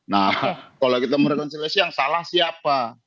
nah kalau kita merekonsiliasi yang salah siapa